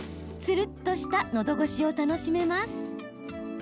つるっとしたのどごしを楽しめます。